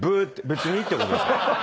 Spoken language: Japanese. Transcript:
別にってことですか？